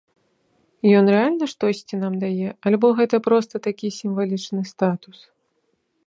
Ён рэальна штосьці нам дае, альбо гэта проста такі сімвалічны статус?